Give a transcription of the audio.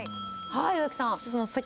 はい植木さん。